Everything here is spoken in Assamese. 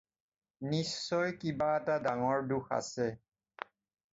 নিশ্চয় কিবা এটা ডাঙৰ দোষ আছে।